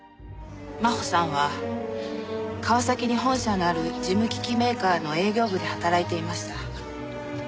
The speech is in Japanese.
真穂さんは川崎に本社のある事務機器メーカーの営業部で働いていました。